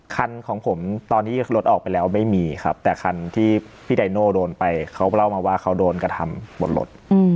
คันของผมตอนที่รถออกไปแล้วไม่มีครับแต่คันที่พี่ไดโน่โดนไปเขาก็เล่ามาว่าเขาโดนกระทำบนรถ